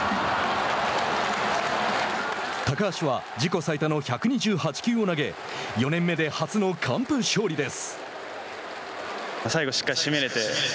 高橋は自己最多の１２８球を投げ４年目で初の完封勝利です。